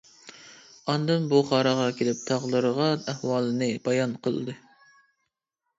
ئاندىن بۇخاراغا كېلىپ تاغىلىرىغا ئەھۋالىنى بايان قىلدى.